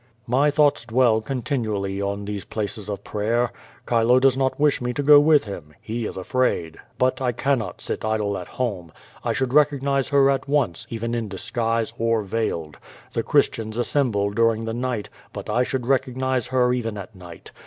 My thoughts dwell continually on these places of prayer. Chilo does not wish me to go with him. He is afraid. But I cannot sit idle at home. I should recognize her at once, even in disguise, or veiled. The Christians assemble during the night, but I should recognize her even at night.